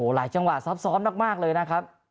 หลายจังหวะซ้อมมากเลยนะครับ